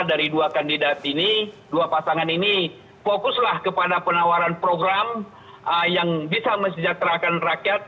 dari dua kandidat ini dua pasangan ini fokuslah kepada penawaran program yang bisa mesejahterakan rakyat